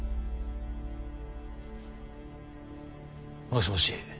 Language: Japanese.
もしもし。